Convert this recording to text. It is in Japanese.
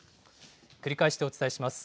繰り返してお伝えします。